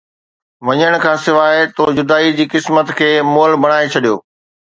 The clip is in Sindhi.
وڃڻ سان، تو جدائي جي قسمت کي مئل بڻائي ڇڏيو